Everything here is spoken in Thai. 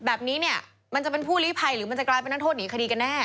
แบบนี้เนี่ยมันจะเป็นผู้ลิภัยหรือมันจะกลายเป็นนักโทษหนีคดีกันแน่